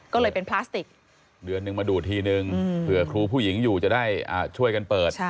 ก็เลยเป็นพลาสติกเดือนนึงมาดูดทีนึงเผื่อครูผู้หญิงอยู่จะได้ช่วยกันเปิด